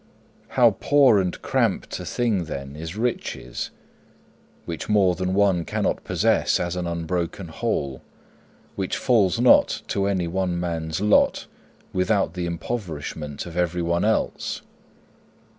How poor and cramped a thing, then, is riches, which more than one cannot possess as an unbroken whole, which falls not to any one man's lot without the impoverishment of everyone else!